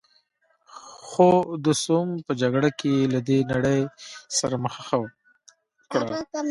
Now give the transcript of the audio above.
خو د سوم په جګړه کې یې له دې نړۍ سره مخه ښه وکړه.